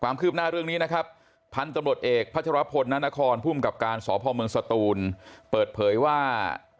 ความคืบหน้าเรื่องนี้นะครับพันธุ์ตำรวจเอกพัชรพลนานครภูมิกับการสพเมืองสตูนเปิดเผยว่า